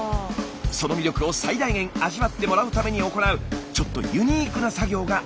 その魅力を最大限味わってもらうために行うちょっとユニークな作業があるんですって。